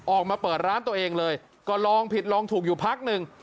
ออกมาเปิดร้านตัวเองเลยก็ลองผิดลองถูกอยู่พักหนึ่ง